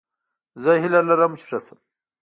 زه هیله لرم چې ښه شم